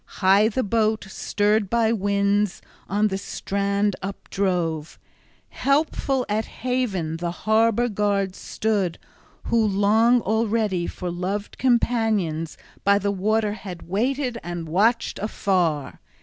High the boat, stirred by winds, on the strand updrove. Helpful at haven the harbor guard stood, who long already for loved companions by the water had waited and watched afar.